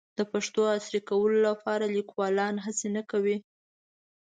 د پښتو د عصري کولو لپاره لیکوالان هڅې نه کوي.